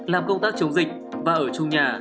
làm công tác chống dịch và ở chung nhà